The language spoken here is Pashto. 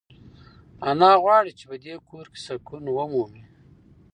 انا غواړي چې په دې کور کې سکون ومومي.